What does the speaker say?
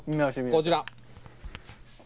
こちら。